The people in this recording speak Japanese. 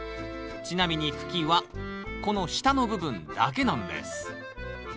ちなみに茎はこの下の部分だけなんです。